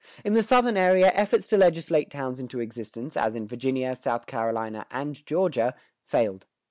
In the Southern area, efforts to legislate towns into existence, as in Virginia, South Carolina, and Georgia, failed.